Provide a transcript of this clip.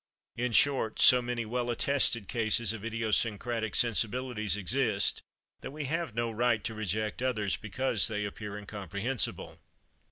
In short, so many well attested cases of idiosyncratic sensibilities exist, that we have no right to reject others because they appear incomprehensible.